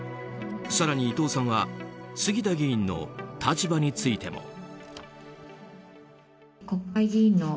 更に、伊藤さんは杉田議員の立場についても。